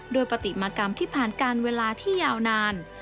ปฏิมากรรมที่ผ่านการเวลาที่ยาวนาน